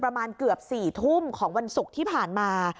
ประมาณเกือบ๔ทุ่มของวันศุกร์ที่ผ่านมา